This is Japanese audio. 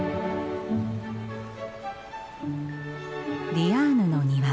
ディアーヌの庭。